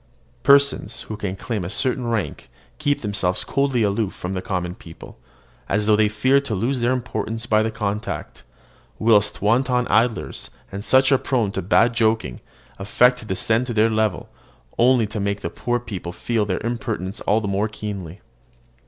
Persons who can claim a certain rank keep themselves coldly aloof from the common people, as though they feared to lose their importance by the contact; whilst wanton idlers, and such as are prone to bad joking, affect to descend to their level, only to make the poor people feel their impertinence all the more keenly.